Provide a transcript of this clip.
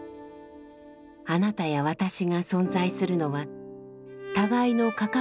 あなたや私が存在するのは互いの関わり合いがあるから。